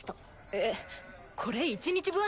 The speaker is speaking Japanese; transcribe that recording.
えっこれ１日分？